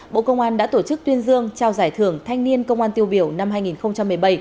bộ công an đã tổ chức tuyên dương trao giải thưởng thanh niên công an tiêu biểu năm hai nghìn một mươi bảy